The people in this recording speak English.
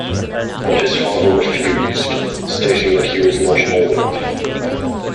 But his father refused, stating that he was not old enough.